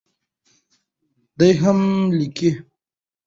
دی لا هم لیکي.